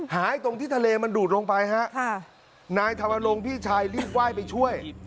หายตรงที่ทะเลมันดูดลงไปฮะค่ะนายธรรมลงพี่ชายรีบไหว้ไปช่วย